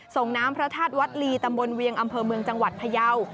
ส่งน้ำพระธาตุวัดลีตำบลเวียงอำเภอเมืองจังหวัดพยาว